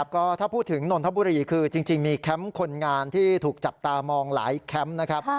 ก็ถ้าพูดถึงนนทบุรีคือจริงมีแคมป์คนงานที่ถูกจับตามองหลายแคมป์นะครับ